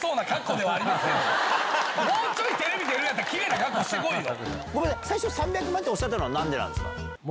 もうちょいテレビ出るんやったらキレイな格好してこいよ！